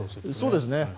そうですね。